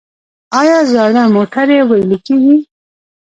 آیا زاړه موټرې ویلې کیږي؟